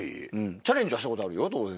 チャレンジはしたことあるよ当然。